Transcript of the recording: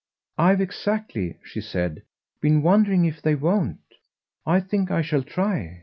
"I've exactly," she said, "been wondering if they won't. I think I shall try.